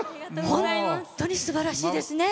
本当にすばらしいですね。